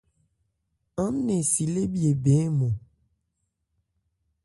Án nɛn si lê bhye bɛn ɔ́nmɔn.